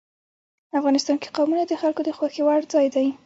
افغانستان کې قومونه د خلکو د خوښې وړ ځای دی.